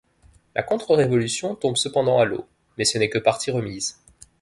La Contre-révolution tombe cependant à l’eau, mais ce n’est que partie remise.